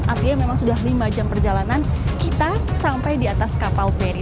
artinya memang sudah lima jam perjalanan kita sampai di atas kapal feri